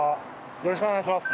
よろしくお願いします。